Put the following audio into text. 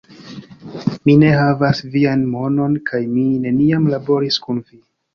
Mi ne havas vian monon kaj mi neniam laboris kun vi!